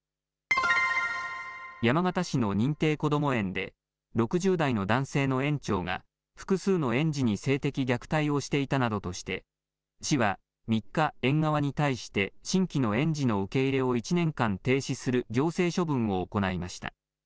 山形市の認定こども園で６０代の男性の園長が複数の園児に性的虐待をしていたなどとして市は３日、園側に対して新規の園児の受け入れを１年間停止する行政処分を行いました。